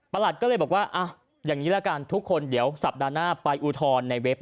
หลัดก็เลยบอกว่าอย่างนี้ละกันทุกคนเดี๋ยวสัปดาห์หน้าไปอุทธรณ์ในเว็บ